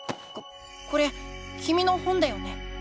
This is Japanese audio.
ここれきみの本だよね？